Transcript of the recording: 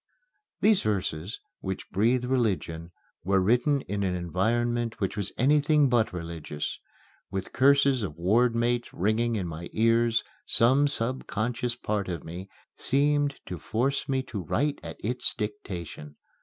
These verses, which breathe religion, were written in an environment which was anything but religious. With curses of ward mates ringing in my ears, some subconscious part of me seemed to force me to write at its dictation.